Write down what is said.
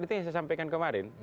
itu yang saya sampaikan kemarin